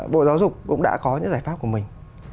bộ giáo dục cũng đã có những giải pháp của mình